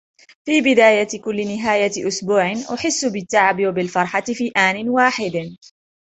في بداية كل نهاية أسبوع ، أحس بالتعب و بالفرحة في آن واحد.